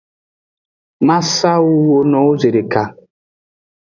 Ma sa wuwo no wo zedeka.